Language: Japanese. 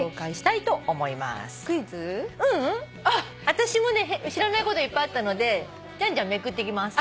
私もね知らないことがいっぱいあったのでジャンジャンめくっていきます。